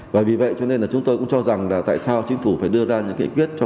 và vì vậy cho nên là chúng tôi cũng cho rằng là tại sao chính phủ phải đưa ra những cái quyết